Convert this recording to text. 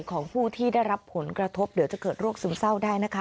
ของผู้ที่ได้รับผลกระทบเดี๋ยวจะเกิดโรคซึมเศร้าได้นะคะ